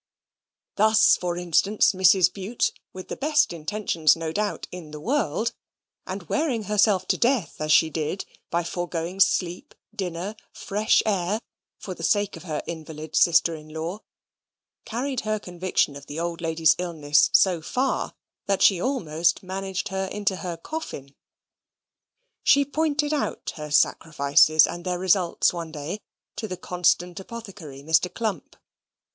Thus, for instance, Mrs. Bute, with the best intentions no doubt in the world, and wearing herself to death as she did by foregoing sleep, dinner, fresh air, for the sake of her invalid sister in law, carried her conviction of the old lady's illness so far that she almost managed her into her coffin. She pointed out her sacrifices and their results one day to the constant apothecary, Mr. Clump.